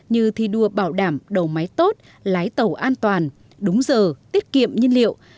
như thi đua bảo đảm đầu máy tốt lái tàu an toàn đúng giờ tiết kiệm nhiên liệu